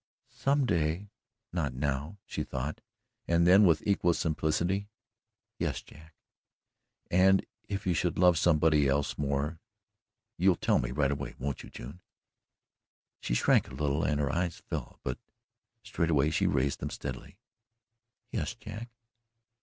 "SOME day not NOW," she thought, and then with equal simplicity: "Yes, Jack." "And if you should love somebody else more, you'll tell me right away won't you, June?" She shrank a little and her eyes fell, but straight way she raised them steadily: "Yes, Jack."